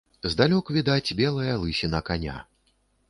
Здалёк відаць белая лысіна каня.